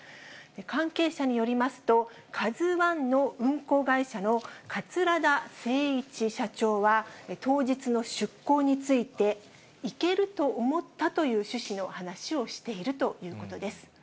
関係者によりますと、カズワンの運航会社の桂田精一社長は、当日の出航について、行けると思ったという趣旨の話をしているということです。